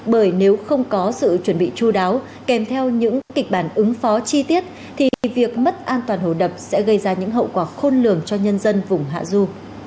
bởi nếu không có sự chuẩn bị chú đáo kèm theo những kịch bản ứng phó chi tiết thì việc mất an toàn hồ đập sẽ gây ra những hậu quả khôn lường cho nhân dân vùng hạ du